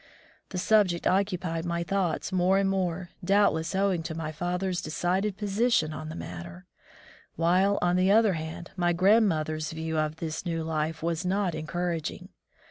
The sub ject occupied my thoughts more and more, doubtless owing to my father's decided posi tion on the matter ; while, on the other hand, my grandmother's view of this new life was not encouraging.